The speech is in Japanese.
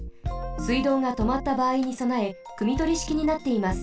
すいどうがとまったばあいにそなえくみとりしきになっています。